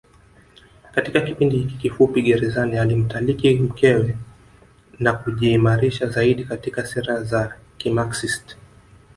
Katika kipindi hiki kifupi gerezani alimtaliki mkewe na kujiimarisha zaidi katika sera za kimaxist